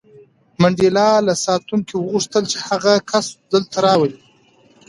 منډېلا له ساتونکي وغوښتل چې هغه کس دلته راولي.